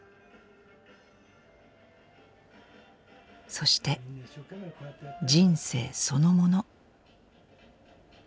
そして人生そのもの。